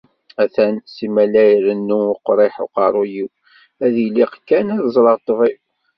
Atan simmal irennu leqriḥ uqerruy-iw. Ad y-iliq kan ad d-ẓreɣ ṭṭbib.